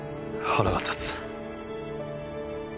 腹が立つ。